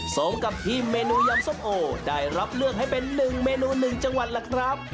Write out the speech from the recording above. สมกับทีมเมนูยำส้มโอได้รับเลือกให้เป็น๑เมนู๑จังหวัดล่ะครับ